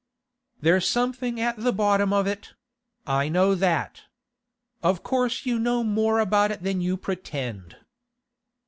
'There's something at the bottom of it; I know that. Of course you know more about it than you pretend.